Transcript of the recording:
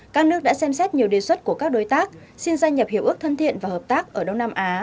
các nước đã xem xét nhiều đề xuất của các đối tác xin gia nhập hiệp ước thân thiện và hợp tác ở đông nam á